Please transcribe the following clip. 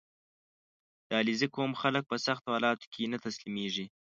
• د علیزي قوم خلک په سختو حالاتو کې نه تسلیمېږي.